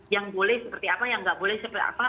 yang boleh seperti apa yang nggak boleh seperti apa